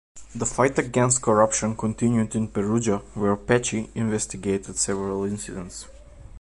The fight against corruption continued in Perugia, where Pecci investigated several incidents.